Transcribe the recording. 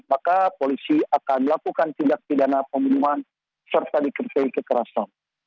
maka polisi akan melakukan tindak pidana pembunuhan serta diketahui kekerasan